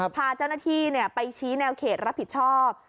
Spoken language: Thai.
พาเจ้าหน้าที่ไปชี้แนวเขตรับผิดชอบ